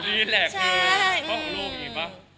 คนดีแหละคือ